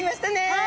はい。